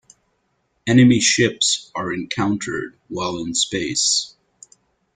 Enemy ships are encountered while in space.